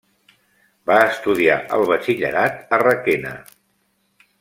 Va estudiar el batxillerat a Requena.